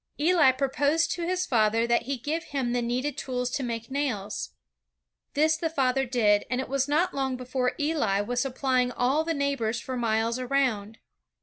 Eh proposed to his father that he give him the needed tools to make nails. This the father did, and it was not long before Eli was supplying all the neighbors for miles around.